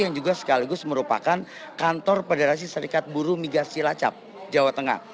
yang juga sekaligus merupakan kantor federasi serikat buruh migas cilacap jawa tengah